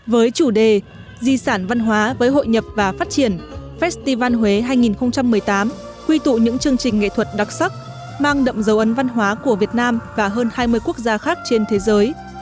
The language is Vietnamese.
với chủ đề di sản văn hóa với hội nhập và phát triển festival huế hai nghìn một mươi tám quy tụ những chương trình nghệ thuật đặc sắc mang đậm dấu ấn văn hóa của việt nam và hơn hai mươi quốc gia khác trên thế giới